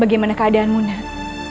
bagaimana keadaanmu nen